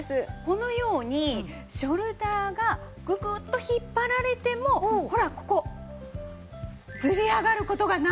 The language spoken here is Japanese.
このようにショルダーがググーッと引っ張られてもほらここずり上がる事がないんです。